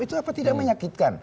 itu apa tidak menyakitkan